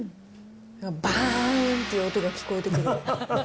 ばーんっていう音が聞こえてくる。